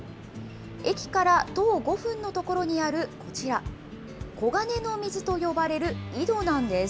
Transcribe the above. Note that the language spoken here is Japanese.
駅から徒歩５分の所にあるこちら、黄金の水と呼ばれる井戸なんです。